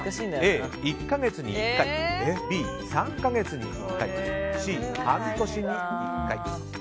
Ａ、１か月に１回Ｂ、３か月に１回Ｃ、半年に１回。